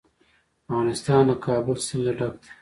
افغانستان له د کابل سیند ډک دی.